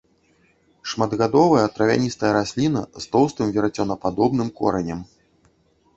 Шматгадовая травяністая расліна, з тоўстым верацёнападобным коранем.